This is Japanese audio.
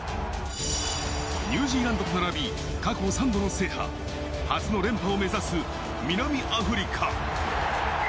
ニュージーランドと並び過去３度の制覇、初の連覇を目指す、南アフリカ。